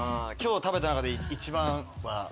今日食べた中で一番は？